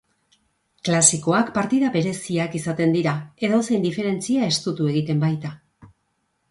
Klasikoak partida bereziak izaten dira, edozein diferentzia estutu egiten baita.